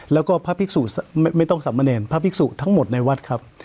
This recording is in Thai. แล้วก็พระภิกษุไม่ต้องสามเณรพระภิกษุทั้งหมดในวัดครับ